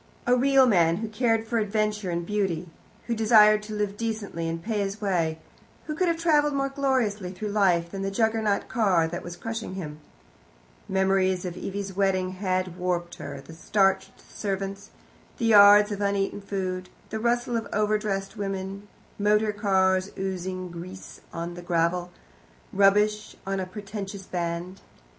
A real man, who cared for adventure and beauty, who desired to live decently and pay his way, who could have travelled more gloriously through life than the Juggernaut car that was crushing him. Memories of Evie's wedding had warped her, the starched servants, the yards of uneaten food, the rustle of overdressed women, motor cars oozing grease on the gravel, rubbish on a pretentious band.